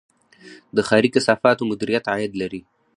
د ښاري کثافاتو مدیریت عاید لري